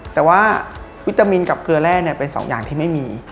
แต่ว่าวิตามินกับเกลือแร่เป็นสองอย่างที่ไม่มี